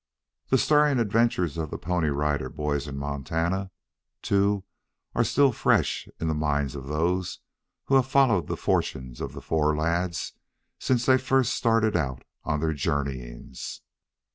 The stirring adventures of "THE PONY RIDER BOYS IN MONTANA," too, are still fresh in the minds of those who have followed the fortunes of the four lads since they first started out on their journeyings.